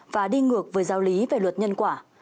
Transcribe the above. và đi ngược với giáo lý về luật nhân quả